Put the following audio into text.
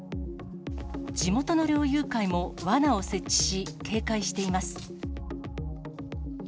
地元の猟友会もわなを設置し、警戒しています。